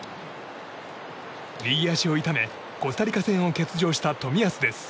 右足を痛めコスタリカ戦を欠場した冨安です。